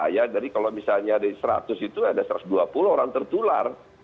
jadi kalau misalnya dari seratus itu ada satu ratus dua puluh orang tertular